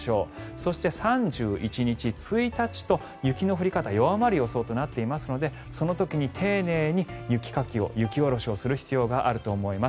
そして、３１日、１日と雪の降り方弱まる予想となっていますのでその時に丁寧に雪かき、雪下ろしをする必要があると思います。